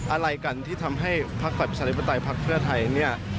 อะไรกันที่ต้องให้พักฝันพระชาธิปไตยพักเพื่อไทย